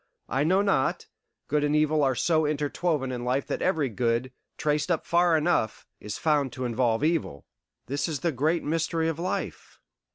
I know not; good and evil are so interwoven in life that every good, traced up far enough, is found to involve evil. This is the great mystery of life.